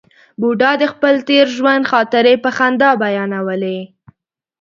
بوډا د خپل تېر ژوند خاطرې په خندا بیانولې.